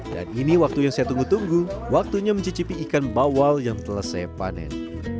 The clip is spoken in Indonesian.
dan ini waktu yang saya tunggu tunggu waktunya mencicipi ikan bawal yang telah saya panen